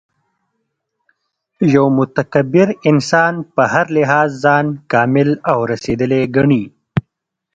یو متکبر انسان په هر لحاظ ځان کامل او رسېدلی ګڼي